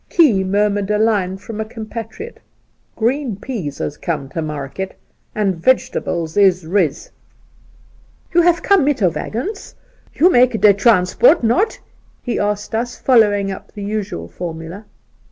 Key murmured a line from a compatriot :' Green pfeas has come to market, and vegetables is riz.' ' You have come mit der waggons ? You make der transport 1 Not V he asked us, following up the usual formula.